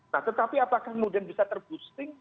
nah tetapi apakah kemudian bisa terboosting